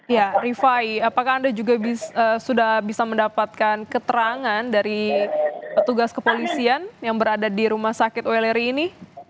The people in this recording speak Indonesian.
ya rifai apakah anda juga sudah bisa mendapatkan keterangan dari petugas kepolisian yang berada di rumah sakit weleri ini